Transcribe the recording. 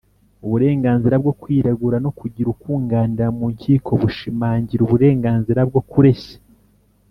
uburenganzira bwo kwiregura no kugira ukunganira mu nkiko bushimangira uburenganzira bwo kureshya